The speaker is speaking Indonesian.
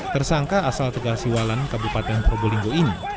tersangka asal tegah siwalan kabupaten purbulinggo ini